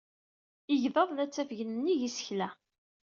Igḍaḍ la ttafgen nnig yisekla.